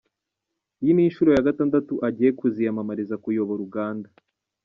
Iyi ni inshuro ya gatandatu agiye kuziyamamariza kuyobora Uganda.